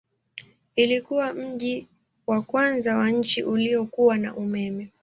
Ilikuwa mji wa kwanza wa nchi uliokuwa na umeme.